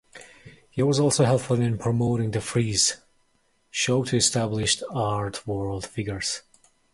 He was also helpful in promoting the "Freeze" show to established art-world figures.